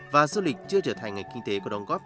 và du lịch chưa trở thành nghệch kinh tế có đồng góp